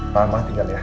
pak arma tinggal ya